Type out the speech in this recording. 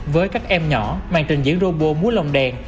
với các em nhỏ màn trình diễn robot múa lồng đèn